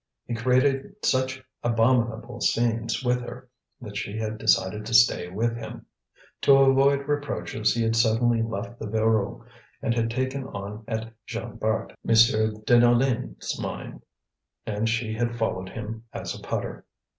He created such abominable scenes with her that she had decided to stay with him. To avoid reproaches he had suddenly left the Voreux and had been taken on at Jean Bart, M. Deneulin's mine, and she had followed him as a putter.